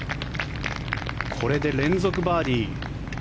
これで連続バーディー。